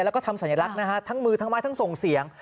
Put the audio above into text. แล้วก็ทำสัญลักษณ์นะฮะทั้งมือทั้งไม้ทั้งส่งเสียง